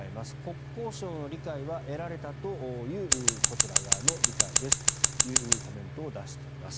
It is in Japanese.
国交省の理解は得られたというこちら側の理解ですというコメントを出しています。